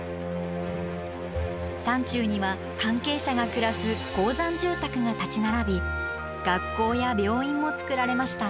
山中には関係者が暮らす鉱山住宅が立ち並び学校や病院も造られました。